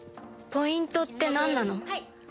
ポイントってなんなの？